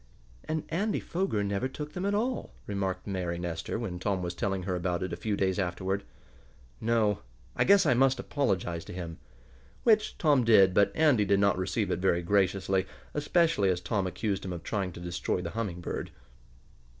"And Andy Foger never took them at all," remarked Mary Nestor, when Tom was telling her about it a few days afterward. "No. I guess I must apologize to him." Which Tom did, but Andy did not receive it very graciously, especially as Tom accused him of trying to destroy the Humming Bird.